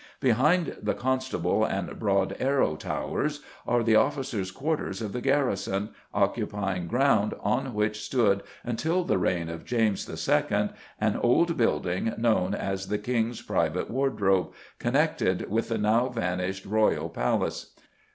Behind the Constable and Broad Arrow Towers are the Officers' Quarters of the garrison, occupying ground on which stood, until the reign of James II., an old building known as the King's Private Wardrobe, connected with the now vanished Royal Palace.